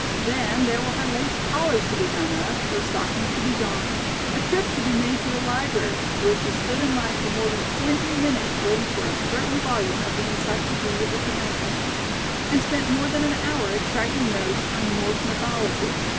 Then there were her lace collars to be done up, her stockings to be darned; a trip to be made to the library, where she stood in line for more than twenty minutes waiting for a certain volume of the Encyclopædia Britannica, and spent more than an hour extracting notes on "Norse Mythology."